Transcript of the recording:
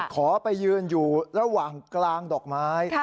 ขอไปยืนอยู่ระหว่างกลางดอกไม้